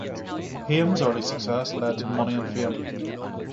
Haim's early success led to money and fame.